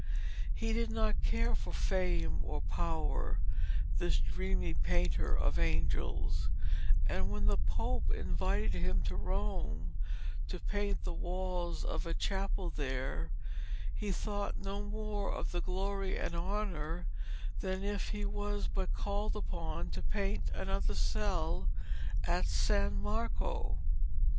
He did not care for fame or power, this dreamy painter of angels, and when the Pope invited him to Rome to paint the walls of a chapel there, he thought no more of the glory and honour than if he was but called upon to paint another cell at San Marco.